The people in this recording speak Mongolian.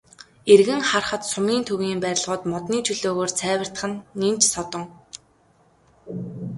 Эргэн харахад сумын төвийн барилгууд модны чөлөөгөөр цайвартах нь нэн ч содон.